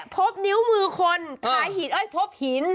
พบนิ้วมือคนพบหินพบหิน